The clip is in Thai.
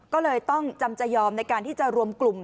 ก็เลยต้องจำจะยอมในการที่จะรวมกลุ่ม